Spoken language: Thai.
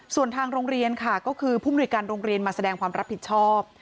ส่วนทางโรงเรียนค่ะก็คือผู้มนุยการโรงเรียนมาแสดงความรับผิดชอบ